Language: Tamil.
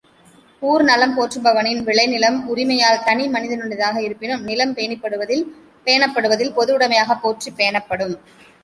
ஊர் நலம் போற்றுபவனின் விளைநிலம் உரிமையால் தனி மனிதனுடையதாக இருப்பினும் நிலம் பேணப்படுவதில் பொதுவுடைமையாகப் போற்றிப் பேணப்படும்.